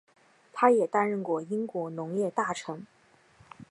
他也担任过英国农业大臣。